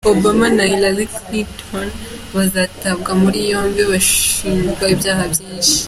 Obama na Helaly Clinton bazatabwa muri yombi bashinjwa ibyaha byinshi.